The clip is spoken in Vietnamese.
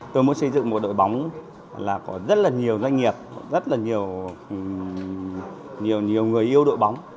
tôi muốn xây dựng một đội bóng là có rất là nhiều doanh nghiệp rất là nhiều người yêu đội bóng